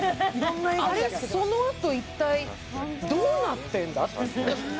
あれそのあと一体どうなってんだ？